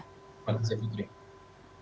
terima kasih banyak